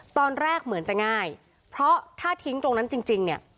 ตอนแรกเหมือนจะง่ายเพราะถ้าทิ้งตรงนั้นจริงเนี่ย